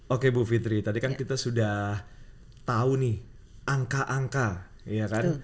oke bu fitri tadi kan kita sudah tahu nih angka angka ya kan